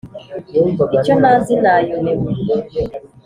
icyo ntazi nayobewe